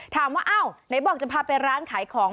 ถามว่าอ้าวไหนบอกจะพาไปร้านขายของ